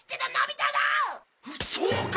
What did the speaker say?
そうか！